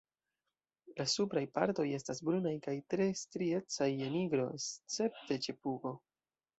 La supraj partoj estas brunaj kaj tre striecaj je nigro, escepte ĉe pugo.